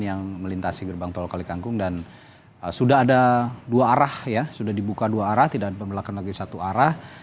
yang melintasi gerbang tol kalikangkung dan sudah ada dua arah ya sudah dibuka dua arah tidak ada pembelakan lagi satu arah